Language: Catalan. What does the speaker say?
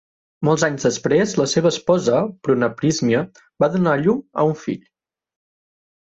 Molts anys després la seva esposa, Prunaprismia, va donar a llum a un fill.